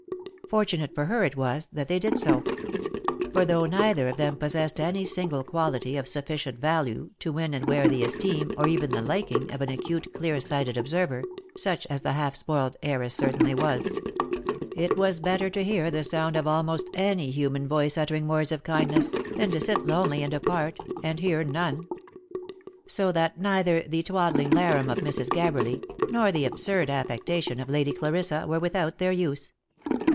Fortunate for her it was, that they did so; for though neither of them possessed any single quality of sufficient value to win and wear the esteem, or even the liking, of an acute, clearsighted observer, such as the half spoiled heiress certainly was ; it was better to hear the sound of almost any human voice uttering words of kindness, than to sit lonely and apart, and hear none ; so that neither the twaddling larum of Mrs. Gabberly, nor the absurd affectation of Lady Clarissa were without their use.